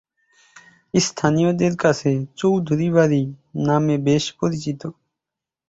স্থানীয়দের কাছে "চৌধুরী বাড়ি" নামে বেশ পরিচিত।